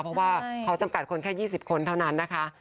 เพราะว่าเขาจำกัดคนแค่๒๐คนเท่านั้นนะคะ